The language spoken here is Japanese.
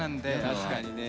確かにね。